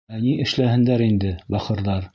Ә ни эшләһендәр инде, бахырҙар?